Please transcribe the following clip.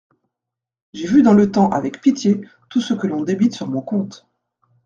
J'ai vu dans le temps avec pitié tout ce que l'on débite sur mon compte.